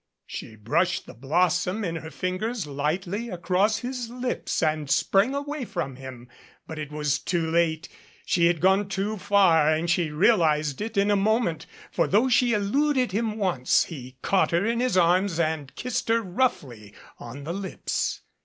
She brushed the blossom in her fingers lightly across his lips and sprang away from him. But it was too late. She had gone too far and she realized it in a moment ; for though she eluded him once, he caught her in his arms and kissed her roughly on the lips.